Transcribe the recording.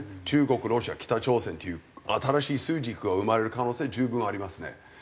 中国ロシア北朝鮮っていう新しい枢軸が生まれる可能性は十分ありますね。